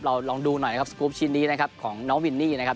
ลองดูหน่อยนะครับสกรูปชิ้นนี้นะครับของน้องวินนี่นะครับ